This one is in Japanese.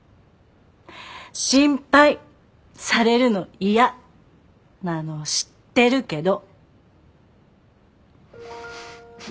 心配されるの嫌なの知ってるけど。